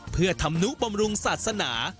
เพื่อธรรมนุบำรุงศาสนา